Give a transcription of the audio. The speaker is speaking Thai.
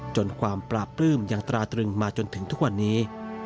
ความปราบปลื้มยังตราตรึงมาจนถึงทุกวันนี้